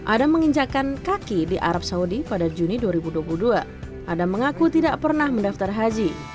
adam menggunakan kaki tidak pernah mendaftar haji